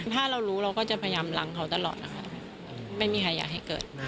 ถ้าเรารู้เราก็จะพยายามรังเขาตลอดนะคะไม่มีใครอยากให้เกิดมา